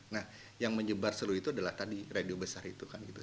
nah yang menyebar seru itu adalah tadi radio besar itu kan gitu